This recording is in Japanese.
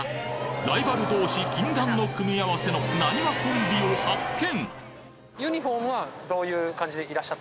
ライバル同士禁断の組み合わせのなにわコンビを発見！